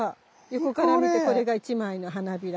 横から見てこれが一枚の花びら。